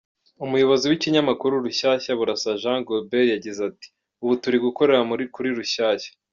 Umuyobozi w’Ikinyamakuru Rushyashya, Burasa Jean Gualbert yagize ati “ Ubu turi gukorera kuri Rushyashya.